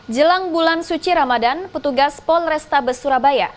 jelang bulan suci ramadhan petugas polresta besurabaya